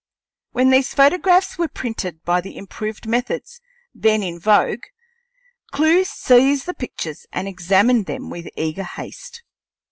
When these photographs were printed by the improved methods then in vogue, Clewe seized the pictures and examined them with eager haste.